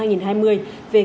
về kinh doanh và điều kiện